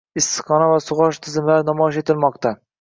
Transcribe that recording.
Issiqxona va sug‘orish tizimlari namoyish etilmoqdang